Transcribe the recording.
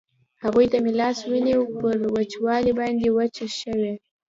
هغوی ته مې لاس ونیو، پر وچولې باندې وچه شوې.